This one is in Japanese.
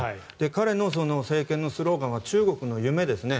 彼の政権のスローガンは中国の夢ですね。